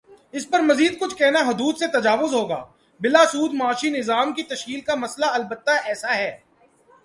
اس پر مزیدکچھ کہنا حدود سے تجاوز ہوگا بلاسود معاشی نظام کی تشکیل کا مسئلہ البتہ ایسا ہے۔